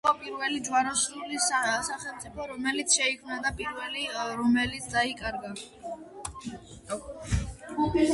ედესა იყო პირველი ჯვაროსნული სახელმწიფო, რომელიც შეიქმნა და პირველი რომელიც დაიკარგა.